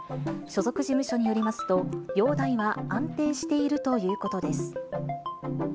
所属事務所によりますと、容体は安定しているということです。